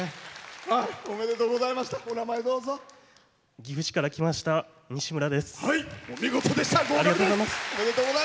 岐阜市から来ましたにしむらです。